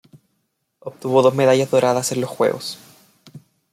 Obtuvo dos medallas doradas en los juegos.